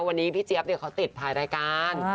วันนี้พี่เจี๊ยบเขาติดถ่ายรายการ